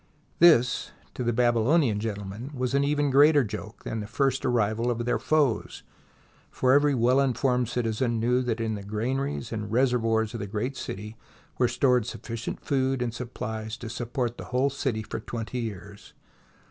This, to the Babylonian gentlemen, was an even greater joke than the first arrival of their foes, for every well informed citizen knew that in the gran aries and reservoirs of the great city were stored sufficient food and supplies to support the whole city for twenty years.